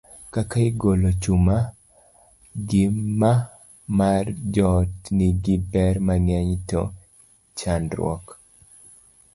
Kaka igolo chuma: A. Ngima mar joot nigi ber mang'eny, to chandruok